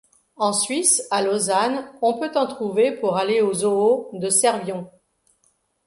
En Suisse, à Lausanne on peut en trouver pour aller au zoo de Servion.